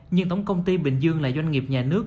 nhưng tổng công ty bình dương là doanh nghiệp nhà nước